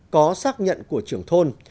có xác nhận của trường thôn